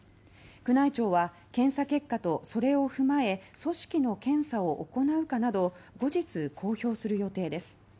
宮内庁は検査結果とそれを踏まえ組織の検査を行うかなど後日、公表する予定です。